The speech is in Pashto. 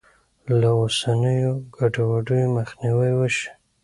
له اوسنیو ګډوډیو مخنیوی وشي.